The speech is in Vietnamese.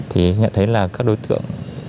thì nhận thấy là các đối tượng